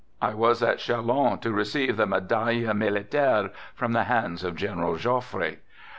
I was at Chalons to receive the medaille militaire from the hands of General Joffre.